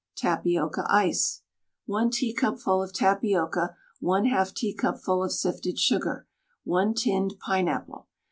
TAPIOCA ICE. 1 teacupful of tapioca, 1/2 teacupful of sifted sugar, 1 tinned pineapple.